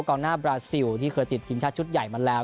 กองหน้าบราซิลที่เคยติดทีมชาติชุดใหญ่มาแล้ว